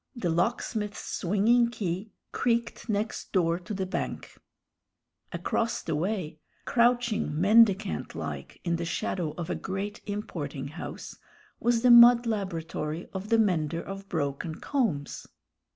The locksmith's swinging key creaked next door to the bank; across the way, crouching mendicant like in the shadow of a great importing house, was the mud laboratory of the mender of broken combs.